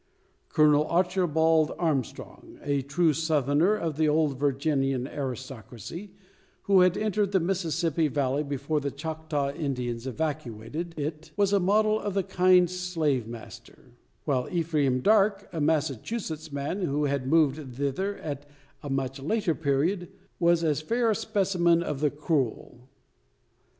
Colonel Archibald Armstrong a true Southerner of the old Virginian aristocracy, who had entered the Mississippi Valley before the Choctaw Indians evacuated it was a model of the kind slave master; while Ephraim Darke a Massachusetts man, who had moved thither at a much later period was as fair a specimen of the cruel.